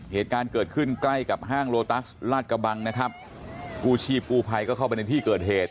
เหตุการณ์เกิดขึ้นใกล้กับห้างโลตัสลาดกระบังนะครับกู้ชีพกู้ภัยก็เข้าไปในที่เกิดเหตุ